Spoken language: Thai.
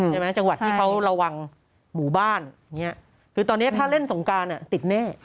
ใช่ไหมจังหวัดที่เขาระวังหมู่บ้านเนี้ยคือตอนนี้ถ้าเล่นสงการอ่ะติดแน่